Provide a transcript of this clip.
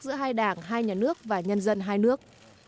giữa hai đảng hai nhà nước và nhân dân hai nước